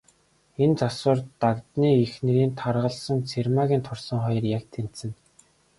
Энэ завсар, Дагданы эхнэрийн таргалсан, Цэрмаагийн турсан хоёр яг тэнцэнэ.